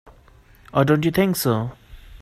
Or don't you think so?